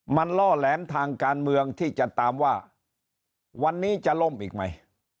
มันล่อแหลมทางการเมืองที่จะตามว่าวันนี้จะล่มอีกไหม